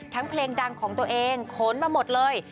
เพลงดังของตัวเองขนมาหมดเลย